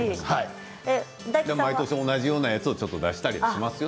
毎年、同じようなやつを出したりしていますよ。